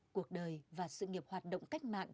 cuộc đời và sự nghiệp hoạt động cách mạng